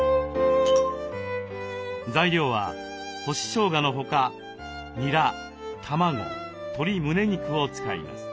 材料は干ししょうがの他にら卵鶏むね肉を使います。